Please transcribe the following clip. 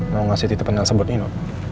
mau ngasih titipan yang sebut ini